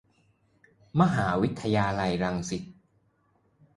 มหาวิทยาลัยรังสิต